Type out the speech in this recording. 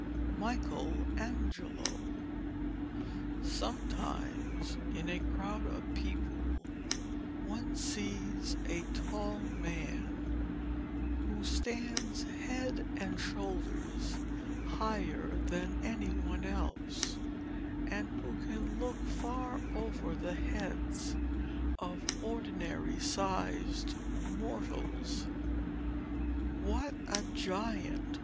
MICHELANGELO Sometimes in a crowd of people one sees a tall man, who stands head and shoulders higher than any one else, and who can look far over the heads of ordinary sized mortals. 'What a giant!'